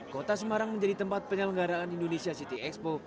kota semarang menjadi tempat penyelenggaraan indonesia city expo